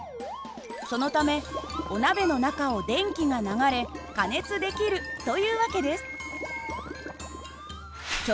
そのためお鍋の中を電気が流れ加熱できるという訳です。